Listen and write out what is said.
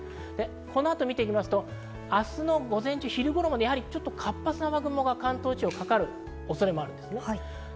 この後見ていきますと、明日の午前中、活発な雨雲が関東地方にかかる恐れもあります。